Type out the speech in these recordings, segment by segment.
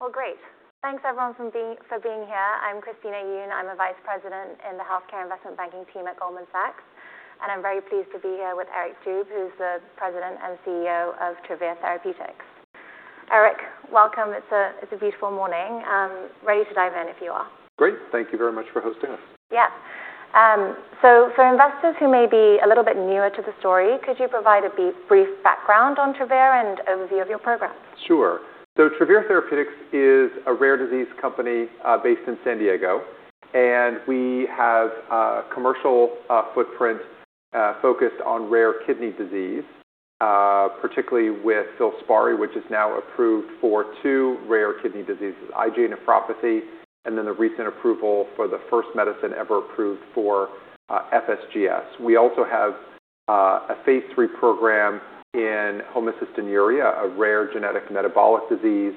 Well, great. Thanks everyone for being here. I'm Christina Yoon. I'm a Vice President in the healthcare investment banking team at Goldman Sachs. I'm very pleased to be here with Eric Dube, who's the President and CEO of Travere Therapeutics. Eric, welcome. It's a beautiful morning. Ready to dive in, if you are. Great. Thank you very much for hosting us. Yeah. For investors who may be a little bit newer to the story, could you provide a brief background on Travere and overview of your programs? Sure. Travere Therapeutics is a rare disease company based in San Diego, and we have a commercial footprint focused on rare kidney disease, particularly with FILSPARI, which is now approved for two rare kidney diseases, IgA nephropathy, and the recent approval for the first medicine ever approved for FSGS. We also have a phase III program in homocystinuria, a rare genetic metabolic disease.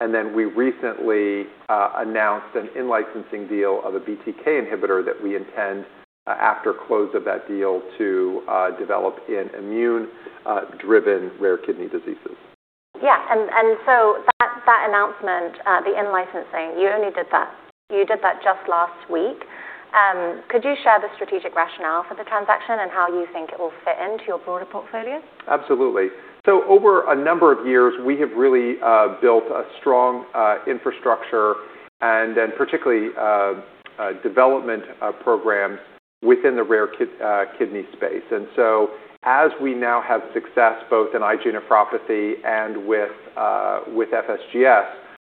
And then, we recently announced an in-licensing deal of a BTK inhibitor that we intend, after close of that deal, to develop in immune-driven rare kidney diseases. Yeah. So, that announcement, the in-licensing, you did that just last week. Could you share the strategic rationale for the transaction and how you think it will fit into your broader portfolio? Absolutely. Over a number of years, we have really built a strong infrastructure and particularly, development programs within the rare kidney space. As we now have success both in IgA nephropathy and with FSGS,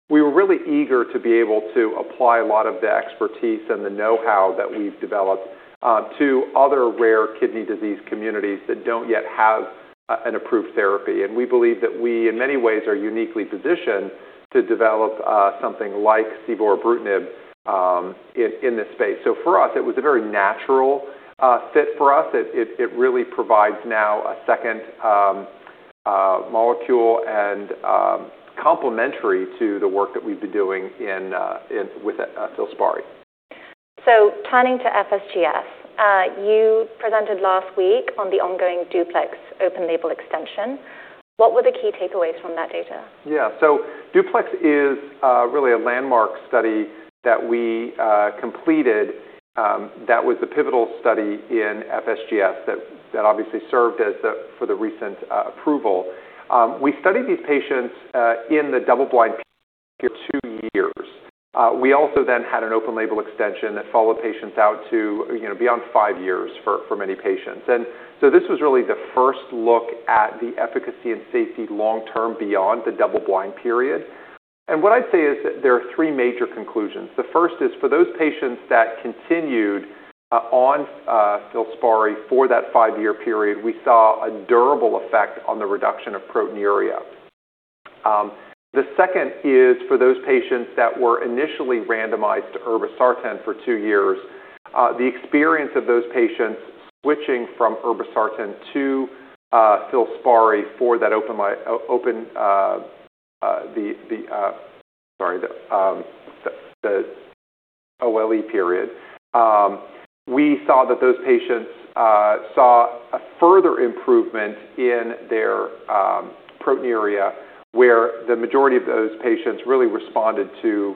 we were really eager to be able to apply a lot of the expertise and the know-how that we've developed to other rare kidney disease communities that don't yet have an approved therapy. We believe that we, in many ways, are uniquely positioned to develop something like civorebrutinib in this space. For us, it was a very natural fit for us. It really provides now a second molecule and complementary to the work that we've been doing with FILSPARI. Turning to FSGS, you presented last week on the ongoing DUPLEX open-label extension. What were the key takeaways from that data? Yeah. DUPLEX is really a landmark study that we completed. That was the pivotal study in FSGS that obviously served for the recent approval. We studied these patients in the double-blind period for two years. We also then had an open-label extension that followed patients out to beyond five years for many patients. This was really the first look at the efficacy and safety long-term beyond the double-blind period. What I'd say is that there are three major conclusions. The first is for those patients that continued on FILSPARI for that five-year period, we saw a durable effect on the reduction of proteinuria. The second is for those patients that were initially randomized to irbesartan for two years, the experience of those patients switching from irbesartan to FILSPARI for the OLE period. We saw that those patients saw a further improvement in their proteinuria, where the majority of those patients really responded to,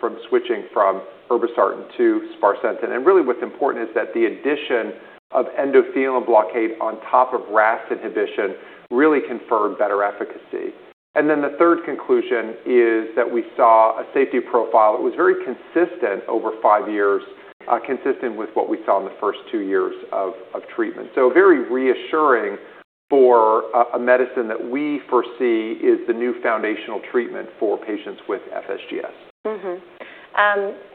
from switching from irbesartan to sparsentan. Really, what's important is that the addition of endothelin blockade on top of RAS inhibition really conferred better efficacy. Then the third conclusion is that we saw a safety profile that was very consistent over five years, consistent with what we saw in the first two years of treatment. Very reassuring for a medicine that we foresee is the new foundational treatment for patients with FSGS.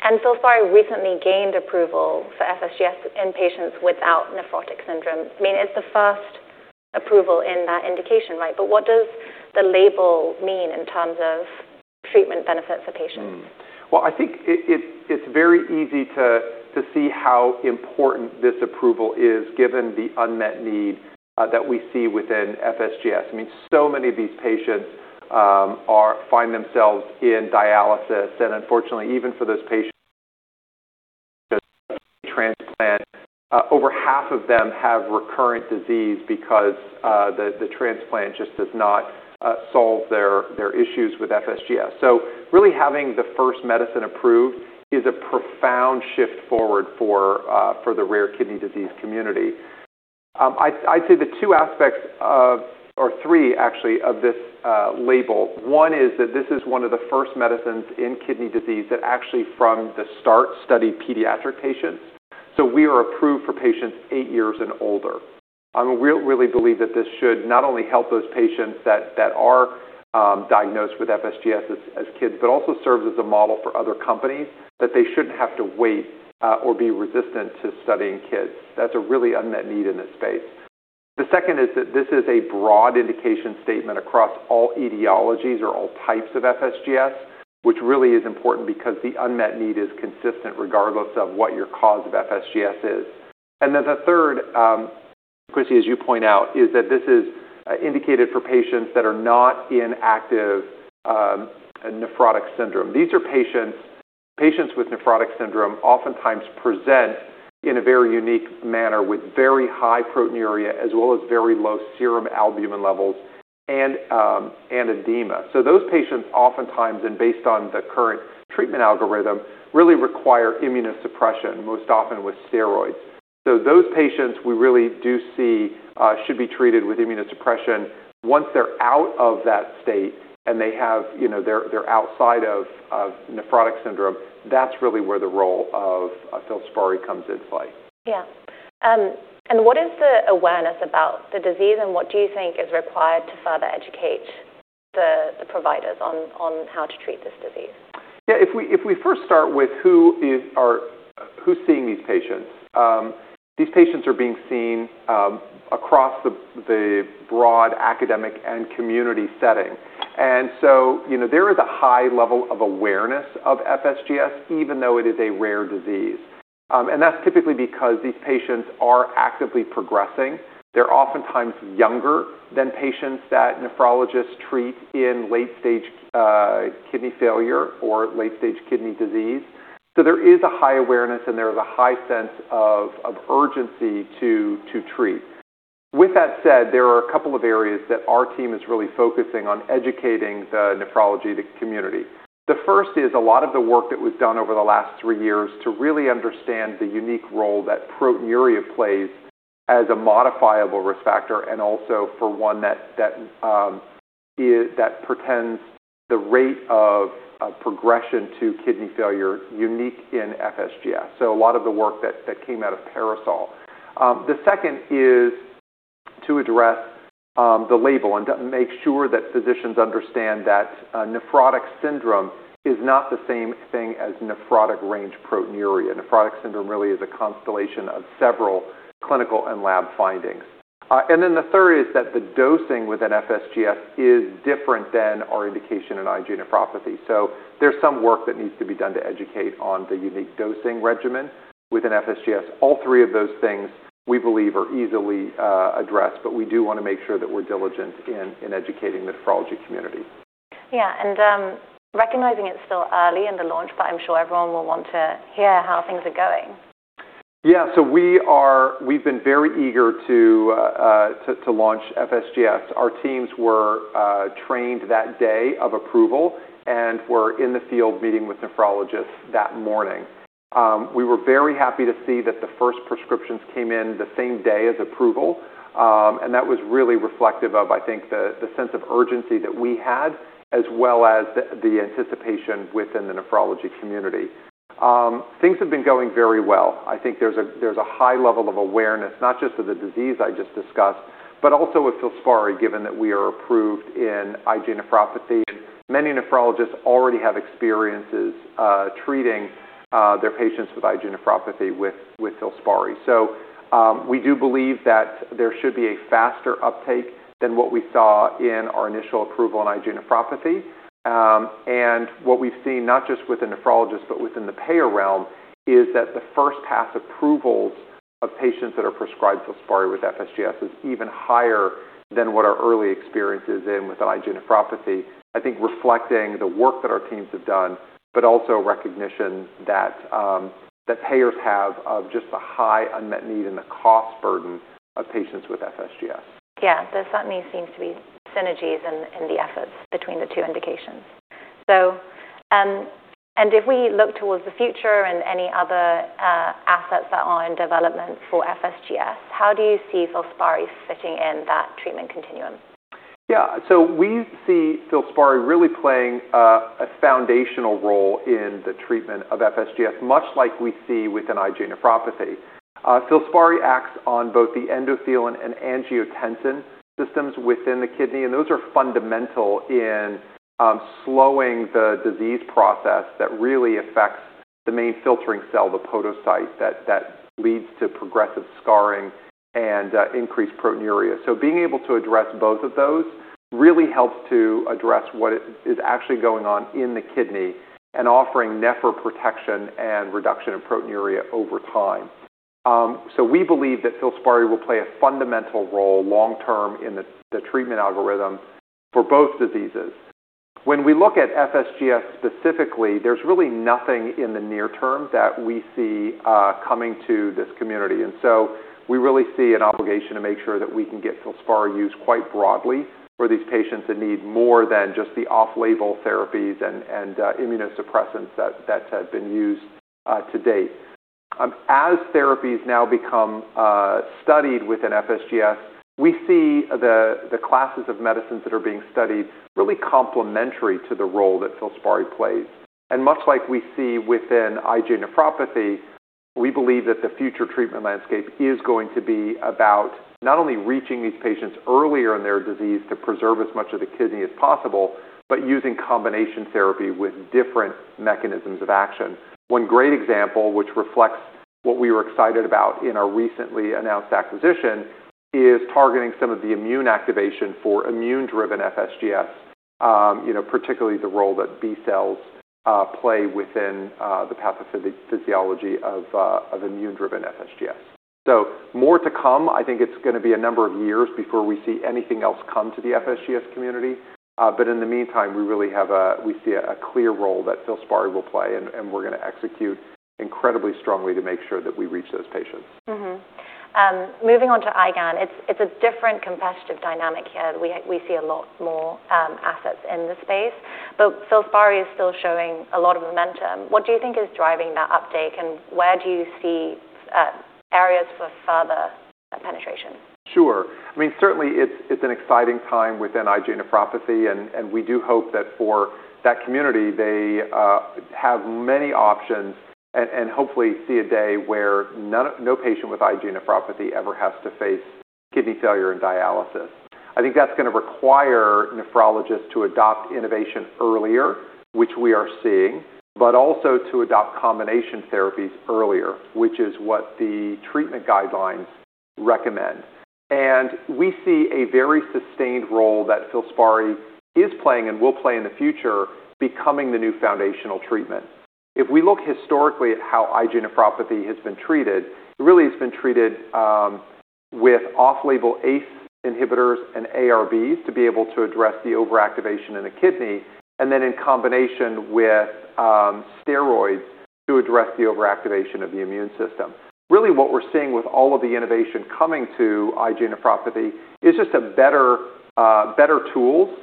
FILSPARI recently gained approval for FSGS in patients without nephrotic syndrome. I mean, it's the first approval in that indication, right? What does the label mean in terms of treatment benefit for patients? Well, I think it's very easy to see how important this approval is given the unmet need that we see within FSGS. I mean, so many of these patients find themselves in dialysis, and unfortunately, even for those patients transplant, over half of them have recurrent disease because the transplant just does not solve their issues with FSGS. Really, having the first medicine approved is a profound shift forward for the rare kidney disease community. I'd say the two aspects, or three actually, of this label, one is that this is one of the first medicines in kidney disease that actually from the start studied pediatric patients. We are approved for patients eight years and older. We really believe that this should not only help those patients that are diagnosed with FSGS as kids, but also serves as a model for other companies that they shouldn't have to wait or be resistant to studying kids. That's a really unmet need in this space. The second is that this is a broad indication statement across all etiologies or all types of FSGS, which really is important because the unmet need is consistent regardless of what your cause of FSGS is. Then the third, Christie, as you point out, is that this is indicated for patients that are not in active nephrotic syndrome. These are patients with nephrotic syndrome oftentimes present in a very unique manner with very high proteinuria, as well as very low serum albumin levels and edema. Those patients oftentimes, and based on the current treatment algorithm, really require immunosuppression, most often with steroids. Those patients we really do see should be treated with immunosuppression. Once they're out of that state and they're outside of nephrotic syndrome, that's really where the role of FILSPARI comes into play. Yeah. And what is the awareness about the disease, and what do you think is required to further educate the providers on how to treat this disease? If we first start with who's seeing these patients. These patients are being seen across the broad academic and community setting. There is a high level of awareness of FSGS, even though it is a rare disease. That's typically because these patients are actively progressing. They're oftentimes younger than patients that nephrologists treat in late-stage kidney failure or late-stage kidney disease. There is a high awareness, and there is a high sense of urgency to treat. With that said, there are a couple of areas that our team is really focusing on educating the nephrology community. The first is a lot of the work that was done over the last three years to really understand the unique role that proteinuria plays as a modifiable risk factor and also for one that portends the rate of progression to kidney failure unique in FSGS. A lot of the work that came out of PARASOL. The second is to address the label and to make sure that physicians understand that nephrotic syndrome is not the same thing as nephrotic-range proteinuria. Nephrotic syndrome really is a constellation of several clinical and lab findings. The third is that the dosing within FSGS is different than our indication in IgA nephropathy. There's some work that needs to be done to educate on the unique dosing regimen within FSGS. All three of those things we believe are easily addressed, but we do want to make sure that we're diligent in educating the nephrology community. Yeah. Recognizing it's still early in the launch, but I'm sure everyone will want to hear how things are going. Yeah. We've been very eager to launch FSGS. Our teams were trained that day of approval and were in the field meeting with nephrologists that morning. We were very happy to see that the first prescriptions came in the same day as approval, and that was really reflective of, I think, the sense of urgency that we had as well as the anticipation within the nephrology community. Things have been going very well. I think there's a high level of awareness, not just of the disease I just discussed, but also with FILSPARI, given that we are approved in IgA nephropathy. Many nephrologists already have experiences treating their patients with IgA nephropathy with FILSPARI. We do believe that there should be a faster uptake than what we saw in our initial approval in IgA nephropathy. What we've seen, not just with the nephrologists, but within the payer realm, is that the first-pass approvals of patients that are prescribed FILSPARI with FSGS is even higher than what our early experiences in with IgA nephropathy, I think reflecting the work that our teams have done, but also a recognition that payers have of just the high unmet need and the cost burden of patients with FSGS. Yeah. There certainly seems to be synergies in the efforts between the two indications. If we look towards the future and any other assets that are in development for FSGS, how do you see FILSPARI fitting in that treatment continuum? Yeah. We see FILSPARI really playing a foundational role in the treatment of FSGS, much like we see within IgA nephropathy. FILSPARI acts on both the endothelin and angiotensin systems within the kidney, and those are fundamental in slowing the disease process that really affects the main filtering cell, the podocyte, that leads to progressive scarring and increased proteinuria. Being able to address both of those really helps to address what is actually going on in the kidney and offering nephroprotection and reduction in proteinuria over time. We believe that FILSPARI will play a fundamental role long-term in the treatment algorithm for both diseases. When we look at FSGS specifically, there's really nothing in the near term that we see coming to this community, and so, we really see an obligation to make sure that we can get FILSPARI used quite broadly for these patients that need more than just the off-label therapies and immunosuppressants that have been used to date. As therapies now become studied within FSGS, we see the classes of medicines that are being studied really complementary to the role that FILSPARI plays. Much like we see within IgA nephropathy, we believe that the future treatment landscape is going to be about not only reaching these patients earlier in their disease to preserve as much of the kidney as possible but using combination therapy with different mechanisms of action. One great example, which reflects what we were excited about in our recently announced acquisition, is targeting some of the immune activation for immune-driven FSGS, particularly the role that B cells play within the pathophysiology of immune-driven FSGS. So, more to come. I think it's going to be a number of years before we see anything else come to the FSGS community. But in the meantime, we see a clear role that FILSPARI will play, and we're going to execute incredibly strongly to make sure that we reach those patients. Mm-hmm. Moving on to IgAN, it's a different competitive dynamic here. We see a lot more assets in this space, but FILSPARI is still showing a lot of momentum. What do you think is driving that uptake, and where do you see areas for further penetration? Sure. Certainly, it's an exciting time within IgA nephropathy, and we do hope that for that community, they have many options and hopefully see a day where no patient with IgA nephropathy ever has to face kidney failure and dialysis. I think that's going to require nephrologists to adopt innovation earlier, which we are seeing, but also to adopt combination therapies earlier, which is what the treatment guidelines recommend. We see a very sustained role that FILSPARI is playing and will play in the future, becoming the new foundational treatment. If we look historically at how IgA nephropathy has been treated, it really has been treated with off-label ACE inhibitors and ARBs to be able to address the overactivation in the kidney, and then in combination with steroids to address the overactivation of the immune system. Really, what we're seeing with all of the innovation coming to IgA nephropathy is just better tools,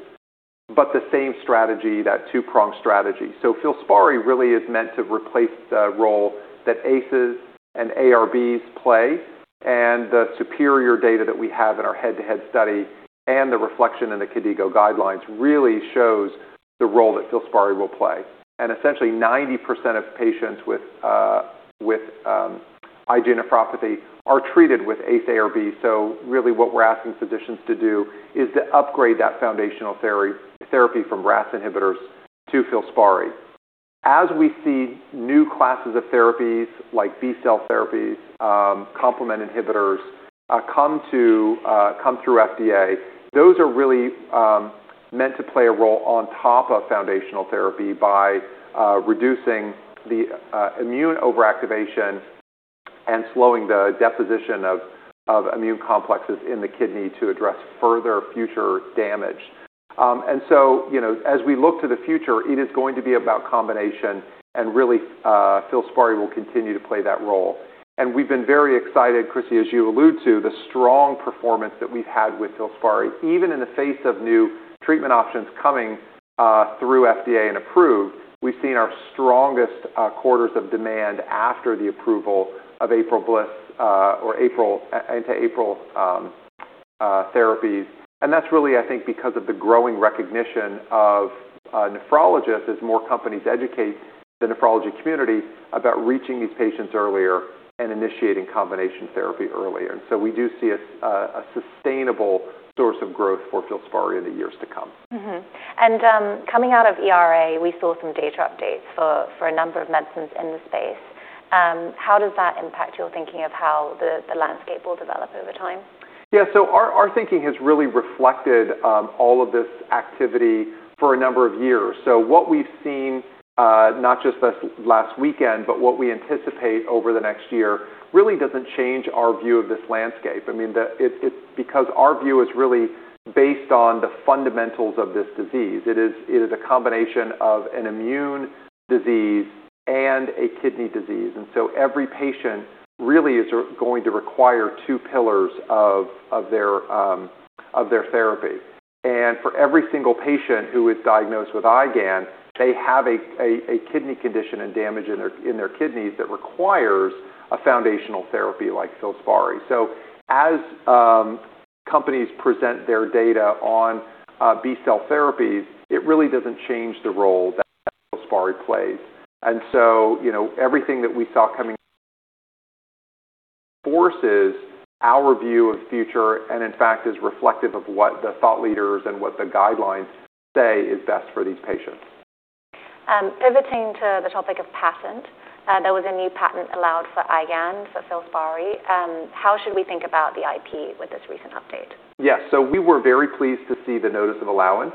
but the same strategy, that two-pronged strategy. FILSPARI really is meant to replace the role that ACEs and ARBs play, and the superior data that we have in our head-to-head study, and the reflection in the KDIGO guidelines really shows the role that FILSPARI will play. Essentially, 90% of patients with IgA nephropathy are treated with ACE/ARB, so really, what we're asking physicians to do is to upgrade that foundational therapy from RAAS inhibitors to FILSPARI. As we see new classes of therapies like B-cell therapies, complement inhibitors, come through FDA, those are really meant to play a role on top of foundational therapy by reducing the immune overactivation and slowing the deposition of immune complexes in the kidney to address further future damage. As we look to the future, it is going to be about combination, and really, FILSPARI will continue to play that role. We've been very excited, Christie, as you allude to, the strong performance that we've had with FILSPARI. Even in the face of new treatment options coming through FDA and approved, we've seen our strongest quarters of demand after the approval of April therapies. That's really, I think, because of the growing recognition of nephrologists as more companies educate the nephrology community about reaching these patients earlier and initiating combination therapy earlier. We do see a sustainable source of growth for FILSPARI in the years to come. Mm-hmm. Coming out of ERA, we saw some data updates for a number of medicines in the space. How does that impact your thinking of how the landscape will develop over time? Our thinking has really reflected all of this activity for a number of years. What we've seen, not just this last weekend, but what we anticipate over the next year really doesn't change our view of this landscape. It's because our view is really based on the fundamentals of this disease. It is a combination of an immune disease and a kidney disease, so every patient really is going to require two pillars of their therapy. For every single patient who is diagnosed with IgAN, they have a kidney condition and damage in their kidneys that requires a foundational therapy like FILSPARI. As companies present their data on B-cell therapies, it really doesn't change the role that FILSPARI plays. Everything that we saw coming forces our view of the future, and in fact, is reflective of what the thought leaders and what the guidelines say is best for these patients. Pivoting to the topic of patent. There was a new patent allowed for IgAN for FILSPARI. How should we think about the IP with this recent update? Yeah. We were very pleased to see the Notice of Allowance.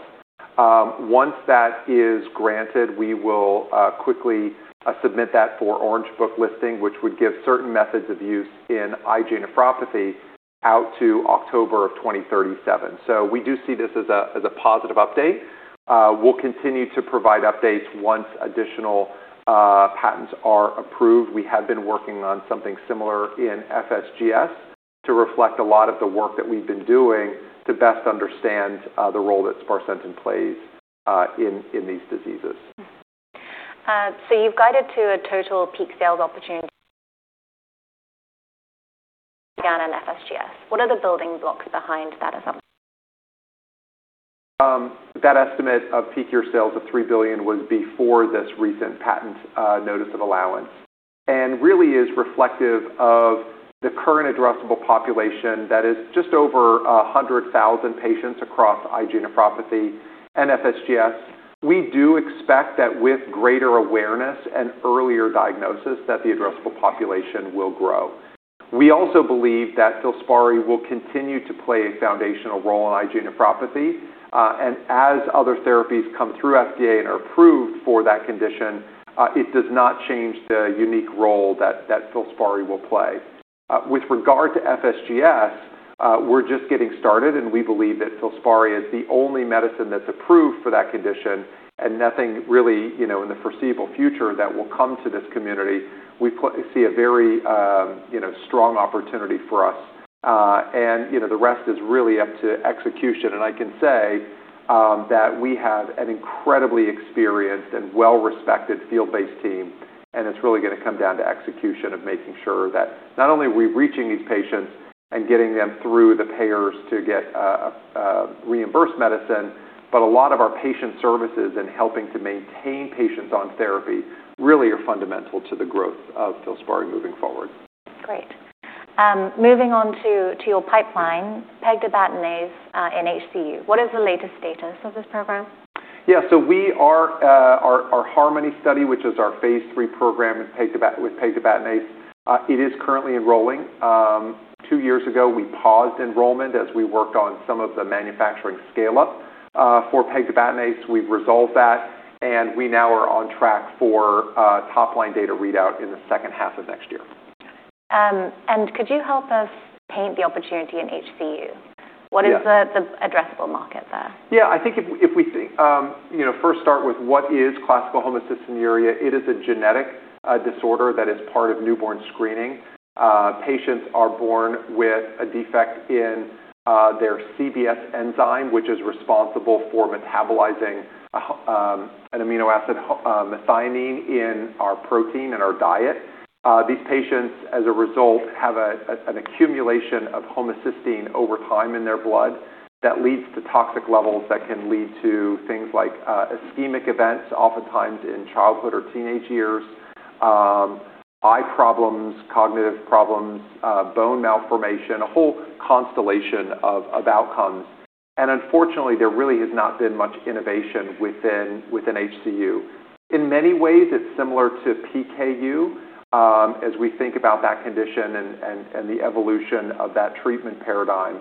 Once that is granted, we will quickly submit that for Orange Book listing, which would give certain methods of use in IgA nephropathy out to October of 2037. We do see this as a positive update. We'll continue to provide updates once additional patents are approved. We have been working on something similar in FSGS to reflect a lot of the work that we've been doing to best understand the role that sparsentan plays in these diseases. You've guided to a total peak sales opportunity IgAN and FSGS. What are the building blocks behind that estimate? That estimate of peak year sales of $3 billion was before this recent patent Notice of Allowance and really is reflective of the current addressable population that is just over 100,000 patients across IgA nephropathy and FSGS. We do expect that with greater awareness and earlier diagnosis, that the addressable population will grow. We also believe that FILSPARI will continue to play a foundational role in IgA nephropathy. As other therapies come through FDA and are approved for that condition, it does not change the unique role that FILSPARI will play. With regard to FSGS, we're just getting started, and we believe that FILSPARI is the only medicine that's approved for that condition and nothing really, in the foreseeable future, that will come to this community. We see a very strong opportunity for us. The rest is really up to execution, and I can say that we have an incredibly experienced and well-respected field-based team, and it's really going to come down to execution of making sure that not only are we reaching these patients and getting them through the payers to get reimbursed medicine, but a lot of our patient services and helping to maintain patients on therapy really are fundamental to the growth of FILSPARI moving forward. Great. Moving on to your pipeline, pegtibatinase in HCU. What is the latest status of this program? Yeah. Our HARMONY study, which is our phase III program with pegtibatinase, it is currently enrolling. Two years ago, we paused enrollment as we worked on some of the manufacturing scale-up for pegtibatinase. We've resolved that, we now are on track for top-line data readout in the second half of next year. Could you help us paint the opportunity in HCU? Yeah. What is the addressable market there? Yeah, I think if we first start with what is classical homocystinuria, it is a genetic disorder that is part of newborn screening. Patients are born with a defect in their CBS enzyme, which is responsible for metabolizing an amino acid, methionine, in our protein in our diet. These patients, as a result, have an accumulation of homocysteine over time in their blood that leads to toxic levels that can lead to things like ischemic events, oftentimes in childhood or teenage years, eye problems, cognitive problems, bone malformation, a whole constellation of outcomes. Unfortunately, there really has not been much innovation within HCU. In many ways, it's similar to PKU as we think about that condition and the evolution of that treatment paradigm.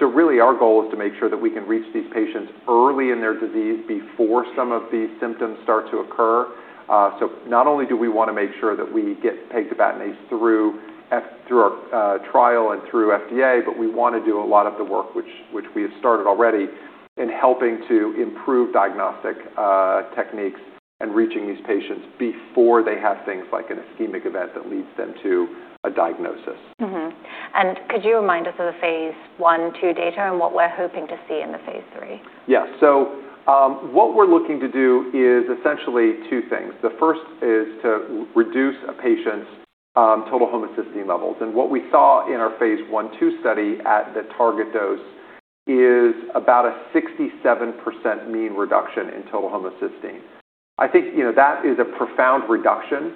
Really, our goal is to make sure that we can reach these patients early in their disease before some of these symptoms start to occur. Not only do we want to make sure that we get pegtibatinase through our trial and through FDA, but we want to do a lot of the work, which we have started already, in helping to improve diagnostic techniques and reaching these patients before they have things like an ischemic event that leads them to a diagnosis. Could you remind us of the phase I and II data and what we're hoping to see in the phase III? What we're looking to do is essentially two things. The first is to reduce a patient's total homocysteine levels. What we saw in our phase I/II study at the target dose is about a 67% mean reduction in total homocysteine. I think that is a profound reduction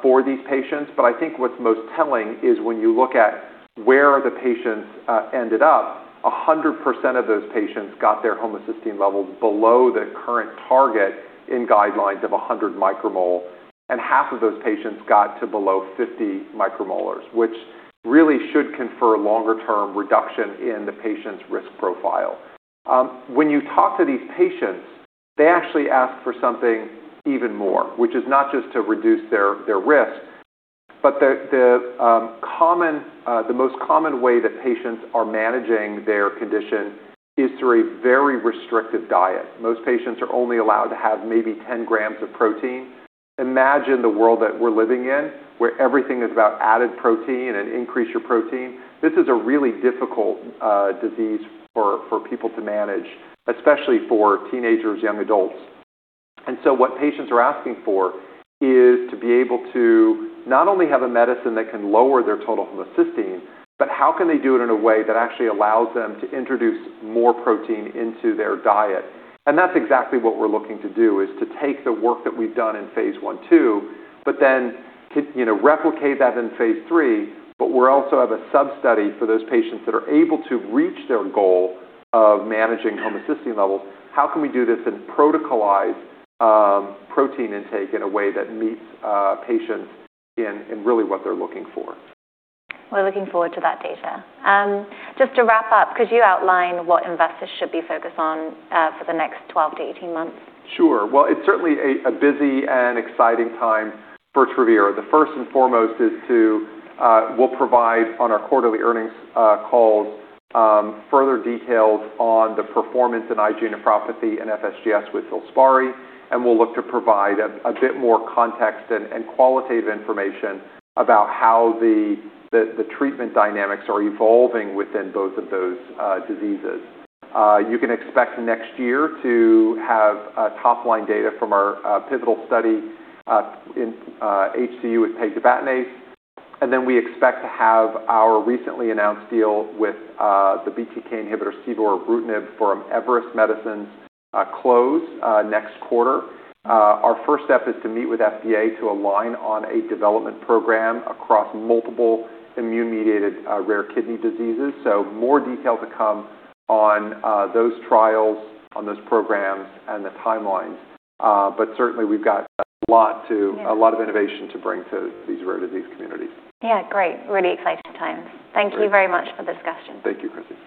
for these patients. I think what's most telling is when you look at where the patients ended up, 100% of those patients got their homocysteine levels below the current target in guidelines of 100 µmol, and half of those patients got to below 50 µM, which really should confer a longer-term reduction in the patient's risk profile. When you talk to these patients, they actually ask for something even more, which is not just to reduce their risk, but the most common way that patients are managing their condition is through a very restrictive diet. Most patients are only allowed to have maybe 10 g of protein. Imagine the world that we're living in, where everything is about added protein and increase your protein, this is a really difficult disease for people to manage, especially for teenagers, young adults. What patients are asking for is to be able to not only have a medicine that can lower their total homocysteine, but how can they do it in a way that actually allows them to introduce more protein into their diet? That's exactly what we're looking to do, is to take the work that we've done in phase I/II, but then, replicate that in phase III. We also have a sub-study for those patients that are able to reach their goal of managing homocysteine levels. How can we do this and protocolize protein intake in a way that meets patients in really what they're looking for? We're looking forward to that data. Just to wrap up, could you outline what investors should be focused on for the next 12-18 months? Sure. Well, it's certainly a busy and exciting time for Travere. The first and foremost is we'll provide on our quarterly earnings call further details on the performance in IgA nephropathy and FSGS with FILSPARI, and we'll look to provide a bit more context and qualitative information about how the treatment dynamics are evolving within both of those diseases. You can expect next year to have top-line data from our pivotal study in HCU with pegtibatinase, and we expect to have our recently announced deal with the BTK inhibitor, civorebrutinib from Everest Medicines, close next quarter. Our first step is to meet with FDA to align on a development program across multiple immune-mediated rare kidney diseases. More detail to come on those trials, on those programs, and the timelines. Certainly, we've got a lot of innovation to bring to these rare disease communities. Yeah, great. Really exciting times. Great. Thank you very much for the discussion. Thank you, Christie.